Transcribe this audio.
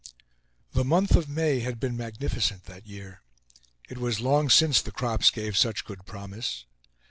The month of May had been magnificent that year. It was long since the crops gave such good promise.